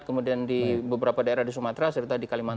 kemudian di beberapa daerah di sumatera serta di kalimantan